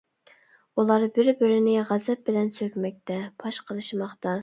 ئۇلار بىر-بىرىنى غەزەپ بىلەن سۆكمەكتە، پاش قىلىشماقتا.